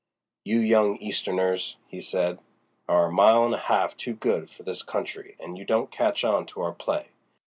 "You young Easterners," he said, "are a mile and a half too good for this country, and you don't catch on to our play.